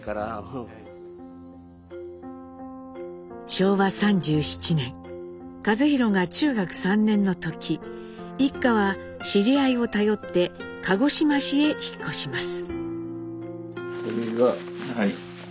昭和３７年一寛が中学３年の時一家は知り合いを頼って鹿児島市へ引っ越します。